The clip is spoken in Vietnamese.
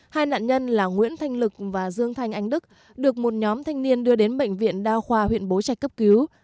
hai nạn nhân là nguyễn thanh lực và dương thanh ánh đức được một nhóm thanh niên đưa đến bệnh viện đa khoa huyện bố trạch cấp cứu